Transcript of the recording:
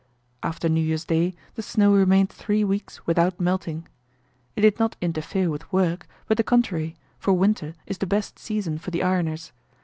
After New Year's day the snow remained three weeks without melting. It did not interfere with work, but the contrary, for winter is the best season for the ironers.